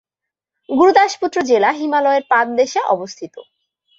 গুরুদাসপুর জেলা হিমালয়ের পাদদেশে অবস্থিত।